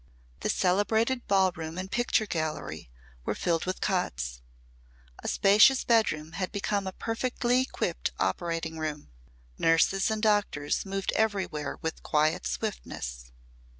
The celebrated ballroom and picture gallery were filled with cots; a spacious bedroom had become a perfectly equipped operating room; nurses and doctors moved everywhere with quiet swiftness.